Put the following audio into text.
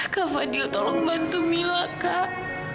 kak fadil tolong bantu mila kak